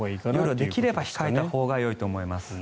夜はできれば控えたほうがいいと思います。